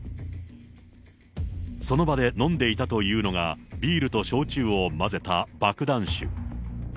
その場で飲んでいたというのが、ビールと焼酎を混ぜた爆弾酒。